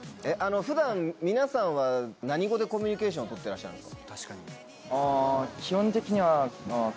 普段皆さんは何語でコミュニケーションを取ってらっしゃるんですか？